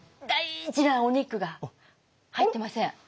大事なお肉が入ってません。